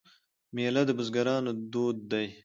میله د بزګرانو دود دی.